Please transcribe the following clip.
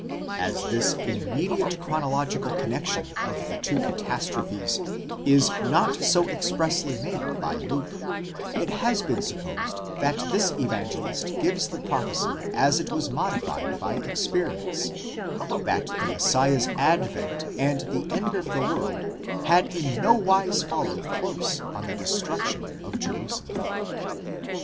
As this immediate chronological connexion of the two catastrophes is not so expressly made by Luke, it has been supposed that this Evangelist gives the prophecy as it was modified by experience, that the Messiah's advent and the end of the world had in nowise followed close on the destruction of Jerusalem.'